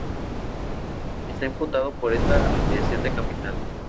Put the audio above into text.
Está imputado por esta ampliación de capital.